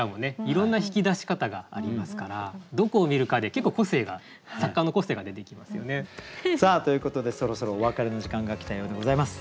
いろんな引き出し方がありますからどこを見るかで結構作家の個性が出てきますよね。ということでそろそろお別れの時間が来たようでございます。